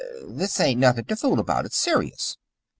This ain't nothing to fool about. It's serious.